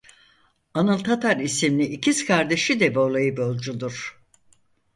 Anıl Tatar isimli ikiz kardeşi de voleybolcudur.